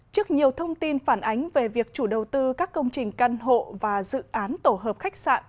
trước nhiều thông tin phản ánh về việc chủ đầu tư các công trình căn hộ và dự án tổ hợp khách sạn